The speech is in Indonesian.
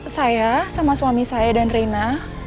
saya sama suami saya dan reina